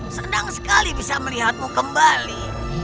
senang sekali bisa melihatmu kembali